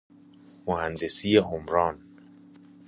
مهندسی عمران